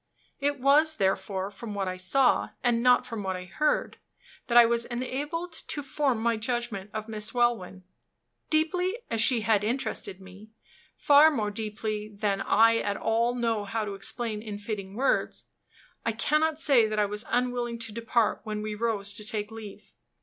It was, therefore, from what I saw, and not from what I heard, that I was enabled to form my judgment of Miss Welwyn. Deeply as she had interested me far more deeply than I at all know how to explain in fitting words I cannot say that I was unwilling to depart when we rose to take leave.